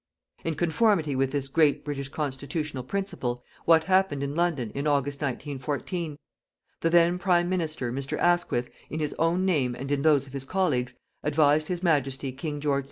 In conformity with this great British constitutional principle, what happened in London, in August, 1914? The then Prime Minister, Mr. Asquith, in his own name and in those of his colleagues, advised His Majesty King George V.